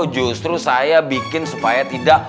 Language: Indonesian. justru saya bikin supaya tidak